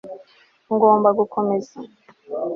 Ngomba gukomeza